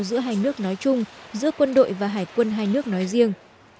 giữa hai nước nói chung giữa quân đội và hải quân hai nước nói riêng